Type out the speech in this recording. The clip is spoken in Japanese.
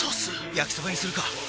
焼きそばにするか！